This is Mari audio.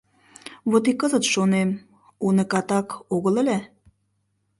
Вот и кызыт шонем: уныкатак огыл ыле?